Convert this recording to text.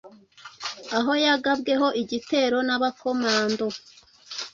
aho yagabweho igitero n'abakomando